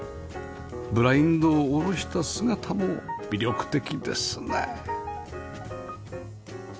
ブラインドを下ろした姿も魅力的ですね